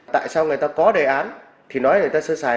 tại sao người ta có đề án thì nói người ta sơ xài